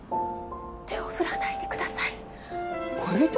手を振らないでください恋人？